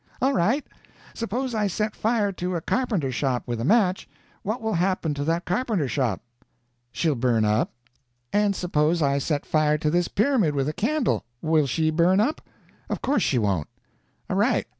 "All right. Suppose I set fire to a carpenter shop with a match, what will happen to that carpenter shop?" "She'll burn up." "And suppose I set fire to this pyramid with a candle—will she burn up?" "Of course she won't." "All right.